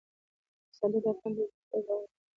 پسرلی د افغانانو د ژوند طرز اغېزمنوي.